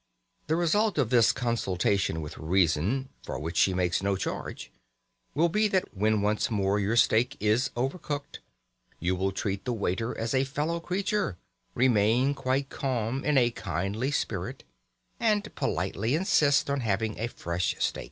The result of this consultation with reason (for which she makes no charge) will be that when once more your steak is over cooked you will treat the waiter as a fellow creature, remain quite calm in a kindly spirit, and politely insist on having a fresh steak.